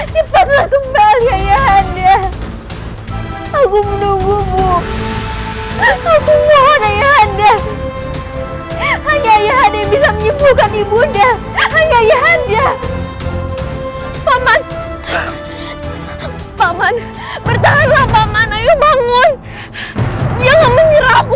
jaga ayah anda menggunakan ayah anda hampir ber manageable ke horseifikasi